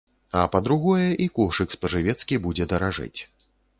А па-другое, і кошык спажывецкі будзе даражэць.